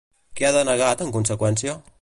Què ha denegat, en conseqüència?